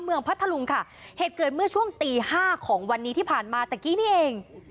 พัทธลุงค่ะเหตุเกิดเมื่อช่วงตีห้าของวันนี้ที่ผ่านมาตะกี้นี่เอง